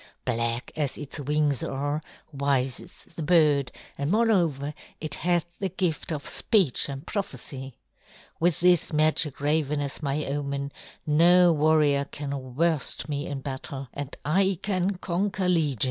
Black as its wings are, wise is the bird, and moreover it hath the gift of speech and prophecy. With this magic raven as my omen, no warrior can worst me in battle, and I can conquer legions.